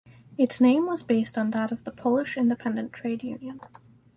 Its name was based on that of the Polish independent trade union.